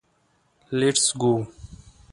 لېټس ګو.